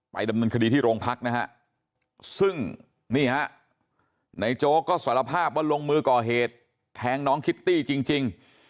ดำเนินคดีที่โรงพักนะฮะซึ่งนี่ฮะในโจ๊กก็สารภาพว่าลงมือก่อเหตุแทงน้องคิตตี้จริง